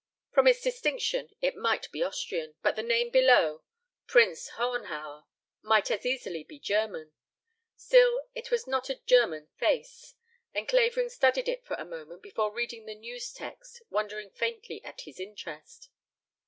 From its distinction it might be Austrian, but the name below, "Prince Hohenhauer," might as easily be German. Still, it was not a German face, and Clavering studied it for a moment before reading the news text, wondering faintly at his interest.